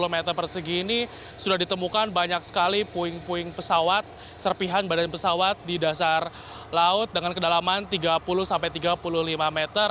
dua ratus lima puluh m persegi ini sudah ditemukan banyak sekali puing puing pesawat serpihan badan pesawat di dasar laut dengan kedalaman tiga puluh tiga puluh lima m